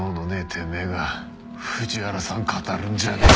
てめえが藤原さん語るんじゃねえ。